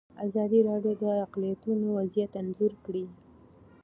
ازادي راډیو د اقلیتونه وضعیت انځور کړی.